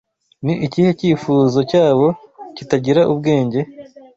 Ni ikihe cyifuzo cyabo kitagira ubwenge?